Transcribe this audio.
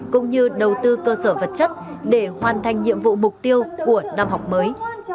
cũng như đầu tư cơ sở vật chất để hoàn thành nhiệm vụ mục tiêu của năm học mới